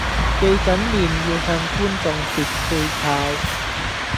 記緊臉要向觀眾別背靠